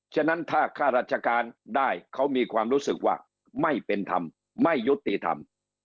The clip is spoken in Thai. ฉะนั้นถ้าข้าราชการได้เขามีความรู้สึกว่าไม่เป็นธรรมไม่ยุติธรรม